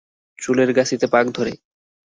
চুলের গাছিতে পাক ধরে।